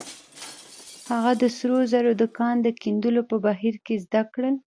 هغه د سرو زرو د کان د کیندلو په بهير کې زده کړل.